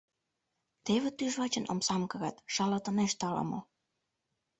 Теве тӱжвачын омсам кырат, шалатынешт ала-мо...